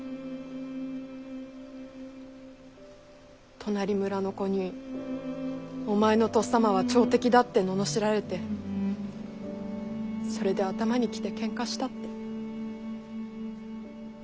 隣村の子に「お前のとっさまは朝敵だ」って罵られてそれで頭にきてけんかしたって。